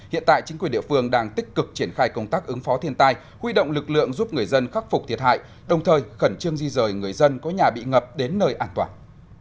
hiện tại chính quyền địa phương đang tích cực triển khai công tác ứng phó thiên tai huy động lực lượng giúp người dân khắc phục thiệt hại đồng thời khẩn trương di rời người dân có nhà bị ngập đến nơi an toàn